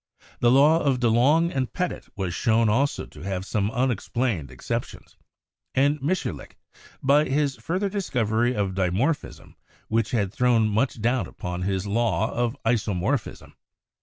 The law of Dulong and Petit was shown also to have some unexplained exceptions, and Mitscherlich, by his further discovery of dimorphism, had thrown much doubt upon his law of isomorphism.